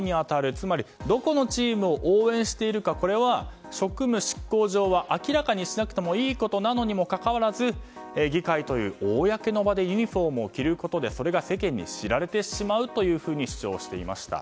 つまりどこのチームを応援しているかこれは職務執行上は明らかにしなくてもいいことなのにもかかわらず議会という公の場でユニホームを着ることでそれが世間に知られてしまうと主張していました。